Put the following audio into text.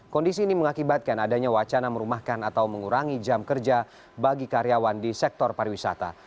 kondisi ini mengakibatkan adanya wacana merumahkan atau mengurangi jam kerja bagi karyawan di sektor pariwisata